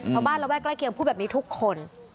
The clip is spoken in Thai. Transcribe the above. ระแวกใกล้เคียงพูดแบบนี้ทุกคน